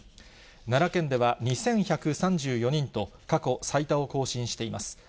奈良県では２１３４人と、過去最多を更新しています。